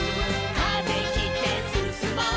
「風切ってすすもう」